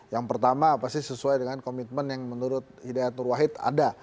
yang pertama pasti sesuai dengan komitmen yang menurut hidayat nur wahid ada